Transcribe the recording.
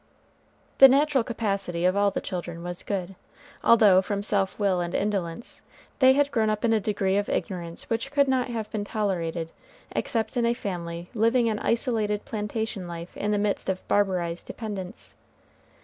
The natural capacity of all the children was good, although, from self will and indolence, they had grown up in a degree of ignorance which could not have been tolerated except in a family living an isolated plantation life in the midst of barbarized dependents.